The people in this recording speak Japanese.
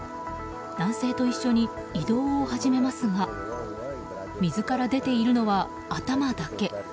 男性と一緒に移動を始めますが水から出ているのは頭だけ。